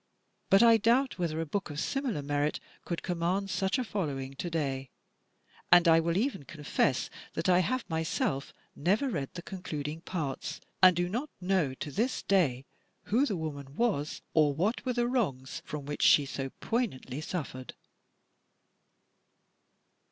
But I doubt whether a book of similar merit could command such a following to day; and I will even confess that I have myself never read the concluding parts, and do not know to this day who the woman was or what were the wrongs from which she so poignantly suffered."